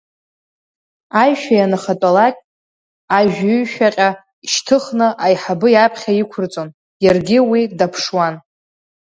Аишәа ианахатәалак ажәыҩшәаҟьа шьҭыхны аиҳабы иаԥхьа иқәырҵон, иаргьы уи даԥшуан.